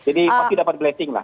jadi pasti dapat blessing lah